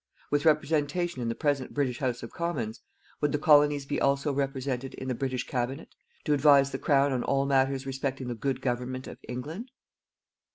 With representation in the present British House of Commons, would the Colonies be also represented in the British Cabinet, to advise the Crown on all matters respecting the good government of England?